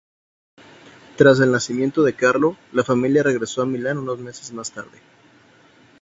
Tras el nacimiento de Carlo, la familia regresó a Milán unos meses más tarde.